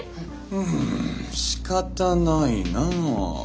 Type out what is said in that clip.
んしかたないなぁ。